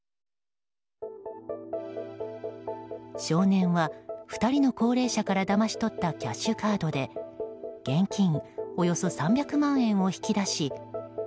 少年は２人の高齢者からだまし取ったキャッシュカードで現金およそ３００万円を引き出し